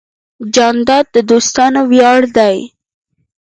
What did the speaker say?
جانداد د دوستانو ویاړ دی.